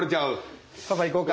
パパいこうか。